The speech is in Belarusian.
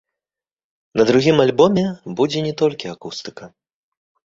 На другім альбоме будзе не толькі акустыка.